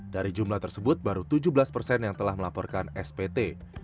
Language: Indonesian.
dari jumlah tersebut baru tujuh belas persen yang telah melaporkan spt